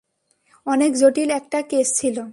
অনেক জটিল একটা কেস ছিল।